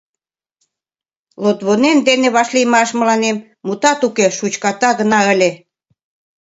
Лотвонен дене вашлиймаш мыланем, мутат уке, шучката гына ыле.